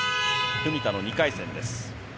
文田の２回戦です。